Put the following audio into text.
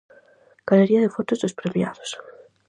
Galería de fotos dos premiados.